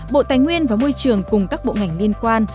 bộ tài nguyên và môi trường cùng các bộ ngành liên quan